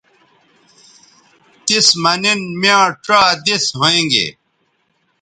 تس مہ نن میاں ڇا دس ھوینگے